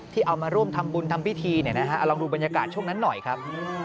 ที่เอามาร่วมทำบุญทำพิธีลองดูบรรยากาศช่วงนั้นหน่อยครับ